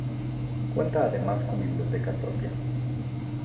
Cuenta además con biblioteca propia.